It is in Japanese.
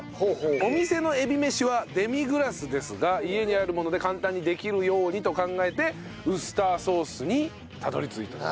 お店のえびめしはデミグラスですが家にあるもので簡単にできるようにと考えてウスターソースにたどり着いたと。